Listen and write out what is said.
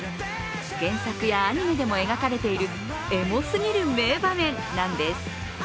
原作やアニメでも描かれているエモすぎる名場面なんです。